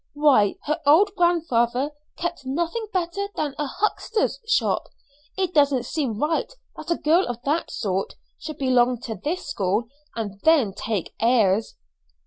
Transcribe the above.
Why, her old grandfather kept nothing better than a huckster's shop. It doesn't seem right that a girl of that sort should belong to this school, and then take airs."